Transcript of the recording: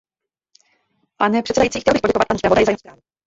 Pane předsedající, chtěl bych poděkovat panu zpravodaji za jeho zprávu.